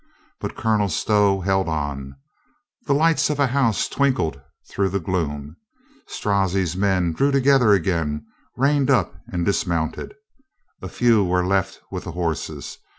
But Colonel Stqw held on. The lights of a house twinkled 372 THE NIGHT ALARM 373 through the gloom. Strozzi's men drew together again, reined up and dismounted. A few were left with the horses.